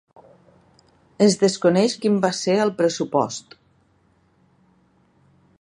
Es desconeix quin va ser el pressupost.